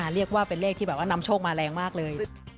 เรียกว่าเป็นเลขที่แบบว่านำโชคมาแรงมากเลย